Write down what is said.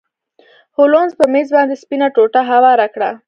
هولمز په میز باندې سپینه ټوټه هواره کړه.